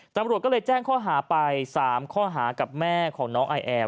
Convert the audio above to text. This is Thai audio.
ตำรวจก็เลยแจ้งข้อหาไป๓ข้อหากับแม่ของน้องไอแอล